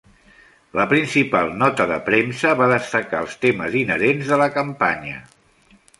La principal nota de premsa va destacar els temes inherents de la campanya.